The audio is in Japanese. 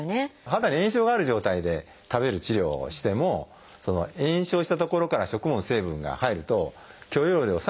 肌に炎症がある状態で食べる治療をしても炎症したところから食物の成分が入ると許容量を下げてしまいますので。